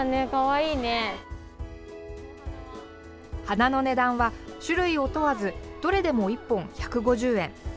花の値段は種類を問わずどれでも１本１５０円。